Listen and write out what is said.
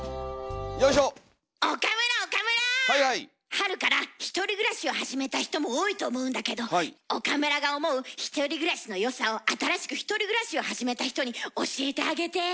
春から１人暮らしを始めた人も多いと思うんだけど岡村が思う１人暮らしの良さを新しく１人暮らしを始めた人に教えてあげて。